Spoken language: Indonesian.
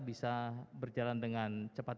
bisa berjalan dengan cepat